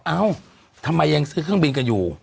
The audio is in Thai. เอ้าทำไมยังซื้อเครื่องบินกันอยู่